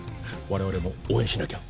我々も応援しなきゃ。